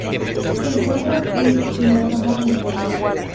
Se encuentra en Fiyi y la Samoa Americana.